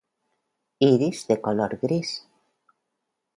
Iris de color gris.